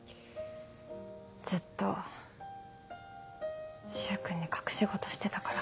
ずっと柊君に隠し事してたから。